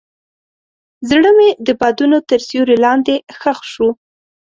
زړه مې د بادونو تر سیوري لاندې ښخ شو.